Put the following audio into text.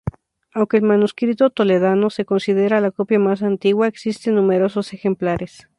Aunque el manuscrito toledano se considera la copia más antigua, existen numerosos ejemplares.